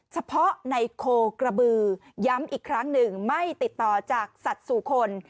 เฉพาะในโคกระบือย้ำอีกครั้งหนึ่งไม่ติดต่อจากสัตว์สู่คน